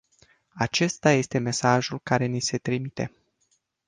Acesta este mesajul care ni se trimite.